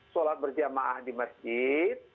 sholat berjamaah di masjid